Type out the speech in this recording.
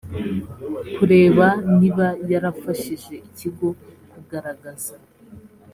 kureba niba yarafashije ikigo kugaragaza